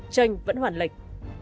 tranh vẫn hoàn lịch